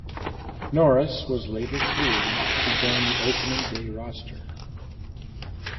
Norris was later cleared to join the Opening Day roster.